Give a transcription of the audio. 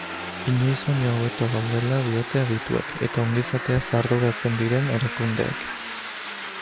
Inoiz baino hobeto gaudela diote adituek eta ongizateaz arduratzen diren erakundeek.